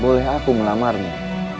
boleh aku melamarnya